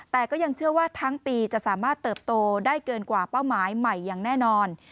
แต่ก็ยังเชื่อว่าทั้งปีจะสามารถเติบโตได้เกินกว่าเป้าหมายใหม่อย่างแน่นอน